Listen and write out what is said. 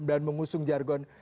dan mengusung jargon